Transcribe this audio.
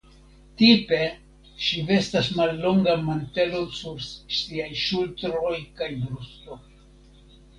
Tipe ŝi vestas mallongan mantelon sur siaj ŝultroj kaj brusto.